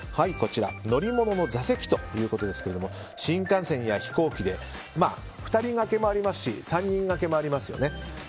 乗り物の座席ということですが新幹線や飛行機で２人がけもありますし３人がけもありますよね。